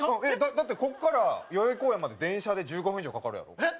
だってここから代々木公園まで電車で１５分以上かかるやろえっ？